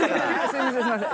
すいませんすいません。